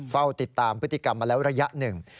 เฝ้าติดตามพฤติกรรมมาแล้วระยะหนึ่ง